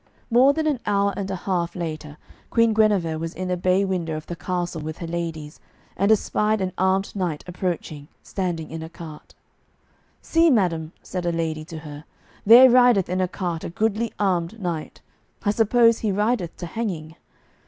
More than an hour and a half later, Queen Guenever was in a bay window of the castle with her ladies, and espied an armed knight approaching, standing in a cart. "See, madam," said a lady to her, "there rideth in a cart a goodly armed knight; I suppose he rideth to hanging."